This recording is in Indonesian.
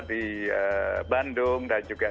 di bandung dan juga